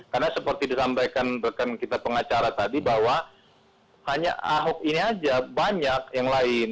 karena seperti disampaikan rekan kita pengacara tadi bahwa hanya ahuk ini saja banyak yang lain